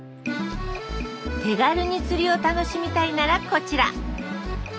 手軽に釣りを楽しみたいならこちら。